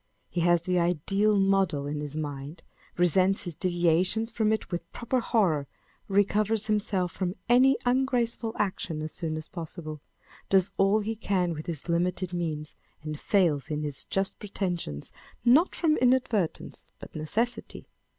He has the ideal model in his mind, resents his deviations from it with proper horror, recovers himself from any ungraceful action as soon as possible ; does all he can with his limited means, and fails in his just pretensions, not from inadvertence, but necessity.